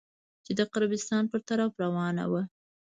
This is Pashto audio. چې د قبرستان په طرف روانه وه.